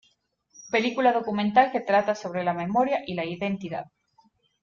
Película documental que trata sobre la memoria y la identidad.